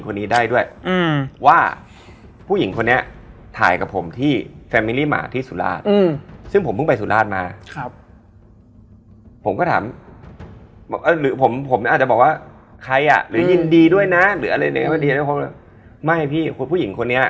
หนูกเยอะมากเป็นเด็กเยอะเลย